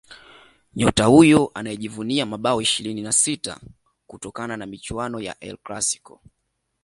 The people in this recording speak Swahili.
Nyota huyo anayejivunia mabao ishirini na sita kutokana na michuano ya El Clasico